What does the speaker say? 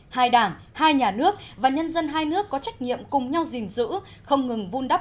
hai đảng hai nhà nước và nhân dân hai nước có trách nhiệm cùng nhau gìn giữ không ngừng vun đắp